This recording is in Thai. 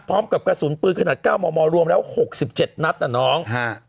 พร้อมกับกระสุนปืนขนาด๙มมรวมแล้ว๖๗นัดนะน้อง